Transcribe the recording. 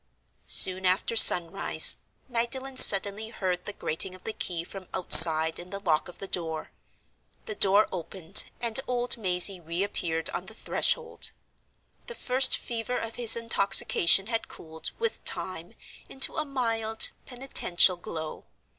Soon after sunrise, Magdalen suddenly heard the grating of the key from outside in the lock of the door. The door opened, and old Mazey re appeared on the threshold. The first fever of his intoxication had cooled, with time, into a mild, penitential glow.